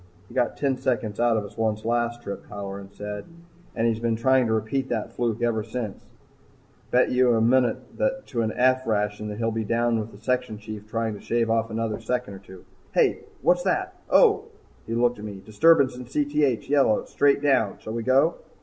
"He got ten seconds out of us once last trip," Halloran said. "And he's been trying to repeat that fluke ever since. Bet you a munit to an 'F' ration that he'll be down with the section chief trying to shave off another second or two. Hey! what's that oh ..." He looked at me. "Disturbance in Cth yellow, straight down shall we go?"